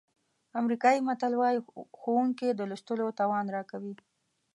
امریکایي متل وایي ښوونکي د لوستلو توان راکوي.